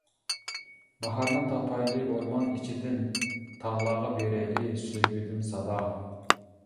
باھارنى تاپايلى ئورمان ئىچىدىن، تاغلارغا بېرەيلى سۆيگۈدىن سادا.